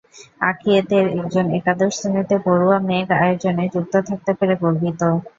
আঁকিয়েদের একজন একাদশ শ্রেণিতে পড়ুয়া মেঘ আয়োজনে যুক্ত থাকতে পেরে গর্বিত।